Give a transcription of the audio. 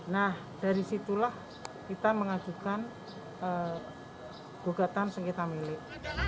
nah dari situlah kita mengajukan gugatan sengketa milik